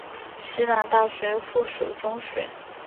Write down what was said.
西南大学附属中学。